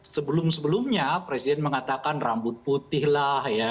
sebelum sebelumnya presiden mengatakan rambut putih lah ya